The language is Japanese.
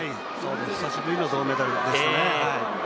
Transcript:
久しぶりの銅メダルでしたね。